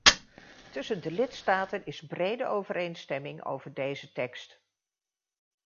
Tussen de lidstaten is brede overeenstemming over deze tekst.